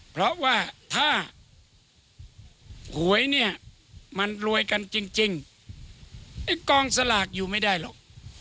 เพราะว่าถ้าหวยเนี่ยมันรวยกันจริงไอ้กองสลากอยู่ไม่ได้หรอก